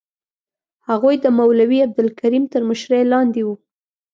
هغوی د مولوي عبدالکریم تر مشرۍ لاندې وو.